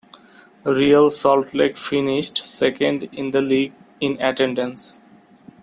Real Salt Lake finished second in the league in attendance.